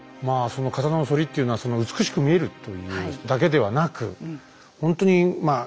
その刀の反りっていうのはその美しく見えるというだけではなくほんとにまあ